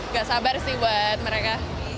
gak sabar sih buat mereka